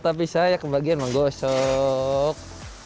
tapi saya kebagian menggosok